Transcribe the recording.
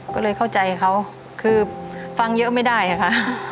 ก็เลยเข้าใจเขาคือฟังเยอะไม่ได้ค่ะ